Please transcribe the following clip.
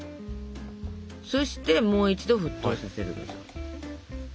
そしてもう一度沸騰させる。